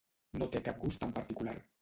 No té cap gust en particular.